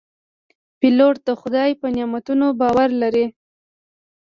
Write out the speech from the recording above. پیلوټ د خدای په نعمتونو باور لري.